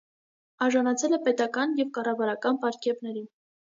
Արժանացել է պետական և կառավարական պարգևների։